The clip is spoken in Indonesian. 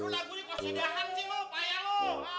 lagunya kos sidahan sih lo payah lo